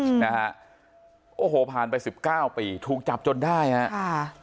อืมนะฮะโอ้โหผ่านไปสิบเก้าปีถูกจับจนได้ฮะค่ะ